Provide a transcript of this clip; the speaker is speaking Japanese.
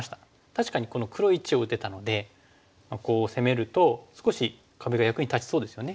確かにこの黒①を打てたのでこう攻めると少し壁が役に立ちそうですよね。